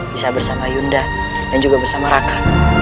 bisa bersama yunda dan juga bersama raka